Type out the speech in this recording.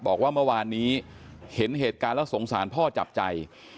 บอกว่าเมื่อวานนี้เห็นเหตุการณ์แล้วสงสารพ่อจับใจ